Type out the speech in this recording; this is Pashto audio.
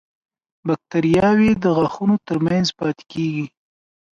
باکتریاوې د غاښونو تر منځ پاتې کېږي.